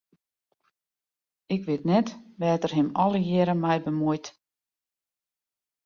Ik wit net wêr't er him allegearre mei bemuoit.